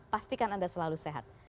pastikan anda selalu sehat